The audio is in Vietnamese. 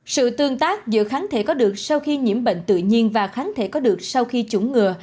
sự tương tác giữa kháng thể có được sau khi nhiễm bệnh tự nhiên và kháng thể có được sau khi chủng ngừa